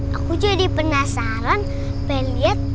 aku jadi penasaran pengen lihat